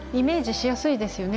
しやすいですね。